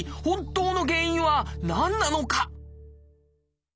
本当の原因は何なのか？